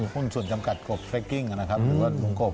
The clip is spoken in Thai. หุ้นส่วนจำกัดกบเฟรกกิ้งหรือว่าหมุงกบ